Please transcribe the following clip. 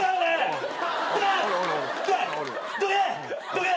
どけ！